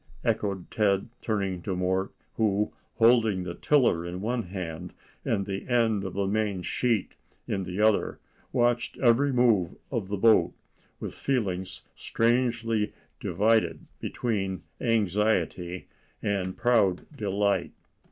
echoed Ted, turning to Mort, who, holding the tiller in one hand and the end of the main sheet in the other, watched every move of the boat with feelings strangely divided between anxiety and proud delight.